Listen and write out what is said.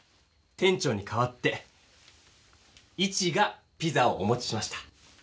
店長にかわってイチがピザをお持ちしました。